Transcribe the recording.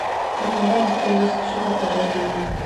دوکاندار د خپل رزق شکر ادا کوي.